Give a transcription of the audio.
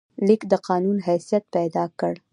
لیک د قانون حیثیت پیدا کړ.